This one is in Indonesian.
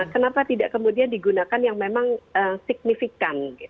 kenapa tadi tidak kemudian dimakan yang memang signifikan